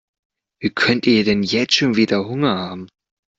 Wie könnt ihr denn jetzt schon wieder Hunger haben?